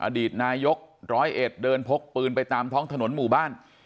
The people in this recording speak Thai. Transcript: อดีตนายกร้อยเอ็ดเดินพกปืนไปตามท้องถนนหมู่บ้าน